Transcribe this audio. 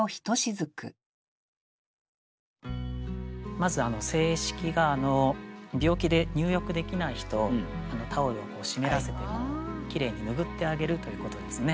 まず「清拭」が病気で入浴できない人をタオルを湿らせてきれいに拭ってあげるということですね。